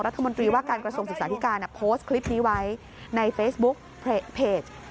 รัฐมนตรีว่าการกระทรวงศึกษาธิการโพสต์คลิปนี้ไว้ในเฟซบุ๊กเพจ